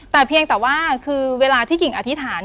แต่เพียงแต่ว่าคือเวลาที่กิ่งอธิษฐาน